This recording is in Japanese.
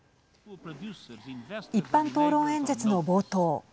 一般討論演説の冒頭